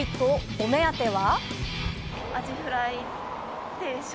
お目当ては。